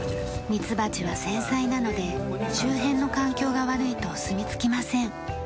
ミツバチは繊細なので周辺の環境が悪いとすみ着きません。